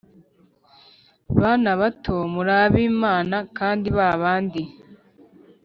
Bana bato muri ab Imana kandi ba bandi